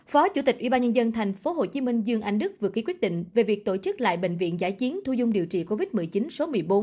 phó chủ tịch ủy ban nhân dân tp hcm dương anh đức vừa ký quyết định về việc tổ chức lại bệnh viện giải chiến thu dung điều trị covid một mươi chín số một mươi bốn